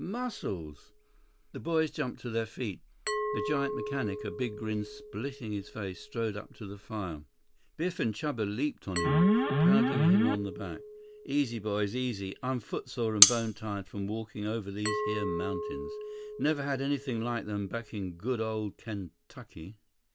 "Muscles!" The boys jumped to their feet. The giant mechanic, a big grin splitting his face, strode up to the fire. Biff and Chuba leaped on him, pounding him on the back. "Easy boys. Easy. I'm footsore and bone tired from walking over these here mountains. Never had anything like them back in good old Kentucky."